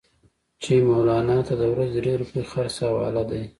چې مولنا ته د ورځې درې روپۍ خرڅ حواله دي.